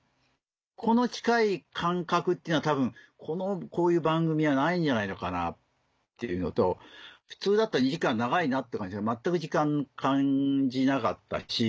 この近い感覚っていうのは多分こういう番組はないんじゃないのかなっていうのと普通だったら２時間長いなって感じが全く時間感じなかったし。